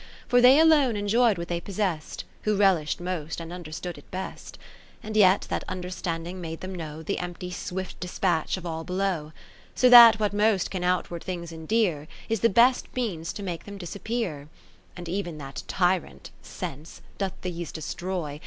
For they alone enjoy'd what they possest, Who relish'd most and understood it best. And yet that understanding made them know The empty swift dispatch of all below. So that what most can outward things endear, Is the best means to make them disappear : And even that Tyrant (Sense) doth these destroy.